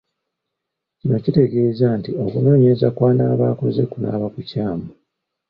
Kino tekitegeeza nti okunoonyereza kw’anaaba akoze kunaaba kukyamu.